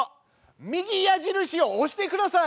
右矢印を押してください！